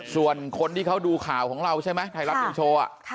ส่วนคนที่เขาดูข่าวของเราใช่ไหมไทยรัฐนิวโชว์